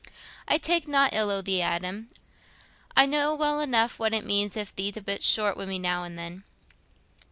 "I take nought ill o' thee, Adam. I know well enough what it means if thee't a bit short wi' me now and then."